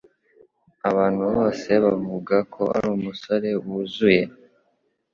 Abantu bose bavuga ko ari umusore wuzuye.